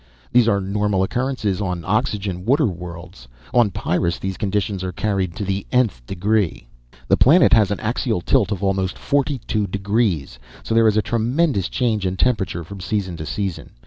These are normal occurrences on oxygen water worlds. On Pyrrus these conditions are carried to the nth degree. "The planet has an axial tilt of almost forty two degrees, so there is a tremendous change in temperature from season to season.